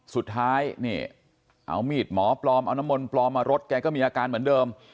สุดท้ายนี่เอามีดหมอปลอมเอาน้ำมนต์ปลอมมารดแกก็มีอาการเหมือนเดิม